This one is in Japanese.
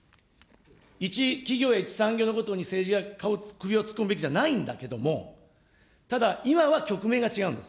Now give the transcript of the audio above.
一企業、一産業のことに政治が首を突っ込むべきじゃないんだけども、ただ、今は局面が違うんです。